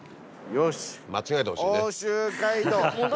よし。